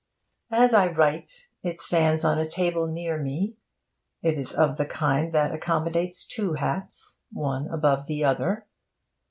As I write, it stands on a table near me. It is of the kind that accommodates two hats, one above the other.